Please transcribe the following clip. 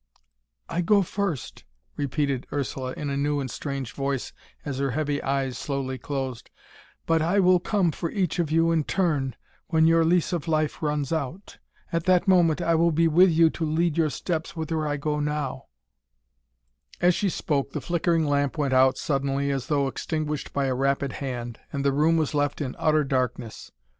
"I go first," repeated Ursula in a new and strange voice as her heavy eyes slowly closed, "but I will come for each of you in turn, when your lease of life runs out. At that moment I will be with you to lead your steps whither I now go." As she spoke the flickering lamp went out suddenly as though extinguished by a rapid hand, and the room was left in utter darkness.